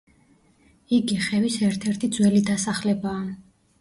იგი ხევის ერთ-ერთი ძველი დასახლებაა.